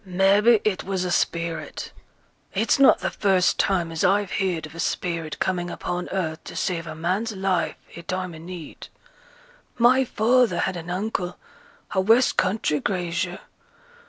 'Maybe it was a spirit. It's not th' first time as I've heared of a spirit coming upon earth to save a man's life i' time o' need. My father had an uncle, a west country grazier.